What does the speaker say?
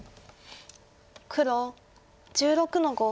黒１６の五。